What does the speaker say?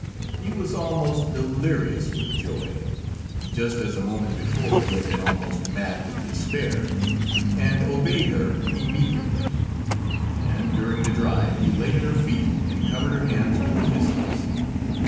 He was almost delirious with joy, just as a moment before he had been almost mad from despair, and obeyed her immediately, and during the drive he lay at her feet and covered her hands with kisses.